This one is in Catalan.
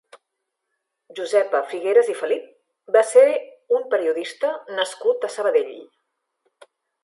Josepa Figueras i Felip va ser un periodista nascut a Sabadell.